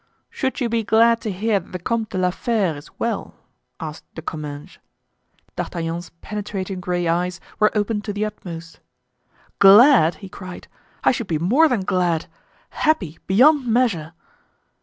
"Should you be glad to hear that the Comte de la Fere is well?" asked De Comminges. D'Artagnan's penetrating gray eyes were opened to the utmost. "Glad!" he cried; "I should be more than glad! Happy—beyond measure!"